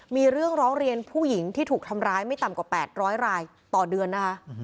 มีเรื่องร้องเรียนผู้หญิงที่ถูกทำร้ายไม่ต่ำกว่า๘๐๐รายต่อเดือนนะคะ